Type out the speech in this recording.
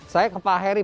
saya ke pak heri